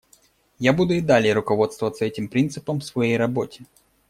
Я буду и далее руководствоваться этим принципом в своей работе.